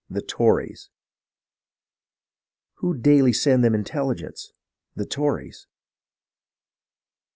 The Tories ! Who daily send them intelligence ? The Tories